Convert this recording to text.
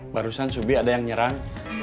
barusan subi ada yang nyerang